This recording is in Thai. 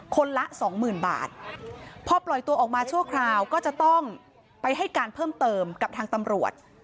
ละสองหมื่นบาทพอปล่อยตัวออกมาชั่วคราวก็จะต้องไปให้การเพิ่มเติมกับทางตำรวจ